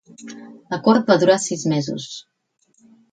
L'acord va durar sis mesos.